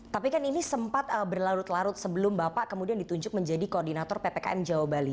tapi kan ini sempat berlarut larut sebelum bapak kemudian ditunjuk menjadi koordinator ppkm jawa bali